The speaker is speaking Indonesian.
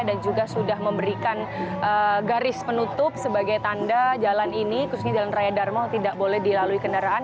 dan juga sudah memberikan garis penutup sebagai tanda jalan ini khususnya jalan raya darmal tidak boleh dilalui kendaraan